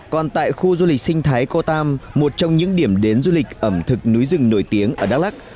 còn tại khu du lịch sinh thái cô tam một trong những điểm đến du lịch ẩm thực núi rừng nổi tiếng ở đắk lắc